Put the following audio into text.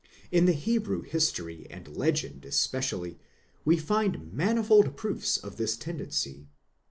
In the Hebrew history and legend especially, we find manifold proofs of this tendency.